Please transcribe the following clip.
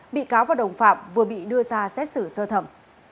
bị cáo và đồng phạm vừa bị đưa ra xét xử sơ thẩm